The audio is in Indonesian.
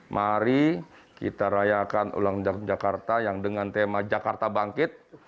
mari kita rayakan ulang tahun jakarta yang dengan tema jakarta bangkit